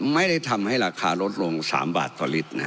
ไม่ได้ทำให้ราคาลดลง๓บาทต่อลิตร